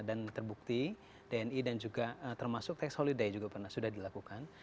dan terbukti dni dan juga termasuk tax holiday juga pernah sudah dilakukan